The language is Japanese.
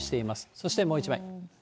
そしてもう１枚。